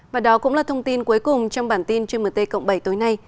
và đó cũng là thông tin cuối cùng trong bản tin trên mt cộng bảy tối nay